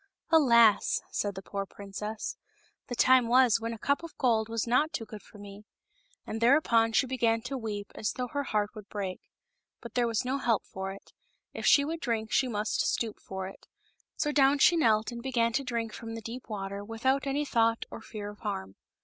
" Alas !" said the poor princess, " the time was when a cup of gold was not too good for me !" And thereupon she began to weep as though her heart would break. But there was no help for it ; if she would drink she must stoop for it; so down she knelt and began to drink from the deep water without any thought or fear of harm.